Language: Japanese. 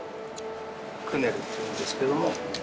クネルっていうんですけども。